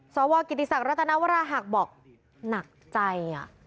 สวกิติศักดิรัตนวราหักบอกหนักใจ